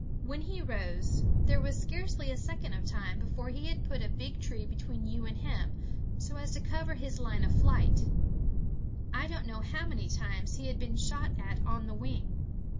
When he rose there was scarcely a second of time before he had put a big tree between you and him, so as to cover his line of flight. I don't know how many times he had been shot at on the wing.